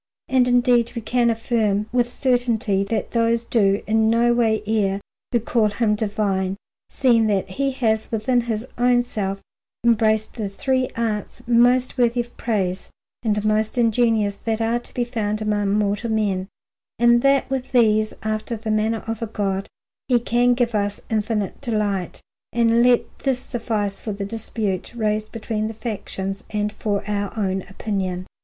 And indeed we can affirm with certainty that those do in no way err who call him divine, seeing that he has within his own self embraced the three arts most worthy of praise and most ingenious that are to be found among mortal men, and that with these, after the manner of a God, he can give us infinite delight. And let this suffice for the dispute raised between the factions, and for our own opinion.